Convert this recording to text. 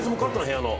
部屋の。